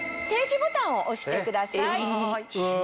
停止ボタンを押してください。